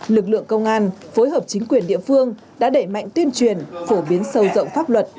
lực lượng công an phối hợp chính quyền địa phương đã đẩy mạnh tuyên truyền phổ biến sâu rộng pháp luật